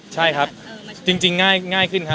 ใช่ครับจริงง่ายขึ้นครับ